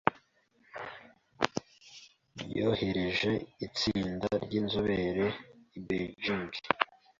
ryohereje itsinda ry’inzobere i Beijing